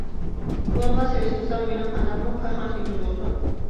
ئۇلارغا سېلىشتۇرسام، مېنى قانداقمۇ كارخانىچى دېگىلى بولسۇن؟ !